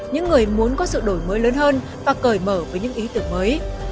những người muốn có sự đổi mới lớn hơn và cởi mở với những ý tưởng mới